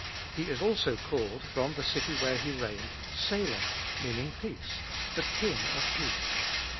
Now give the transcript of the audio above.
He is also called, from the city where he reigned, Salem, meaning Peace — the King of peace.